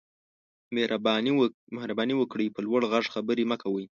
مهرباني وکړئ په لوړ غږ خبرې مه کوئ